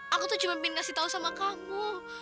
aku tuh cuma ngasih tahu sama kamu